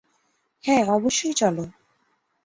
হ্যাঁ, অবশ্যই, চলো।